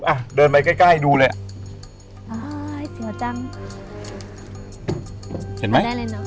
อ่ะเดินไปใกล้ใกล้ดูเลยอ่ะอ้าวเสียวจังเห็นไหมได้เลยเนอะ